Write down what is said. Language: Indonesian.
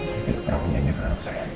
saya tidak pernah menyenyakkan anak saya